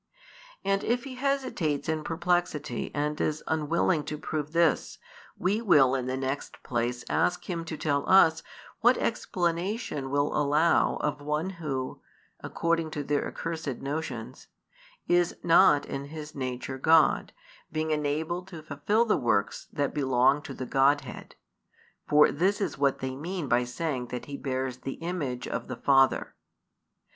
And if he hesitates in perplexity and is unwilling to prove this, we will in the next place ask him to tell us what explanation will allow of one who (according to their accursed notions) is not in His nature God, being enabled to fulfil the works that belong to the Godhead: for this is what they mean by saying that He bears the Image of the Father.